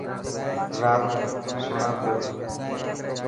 رات سڻان پيو.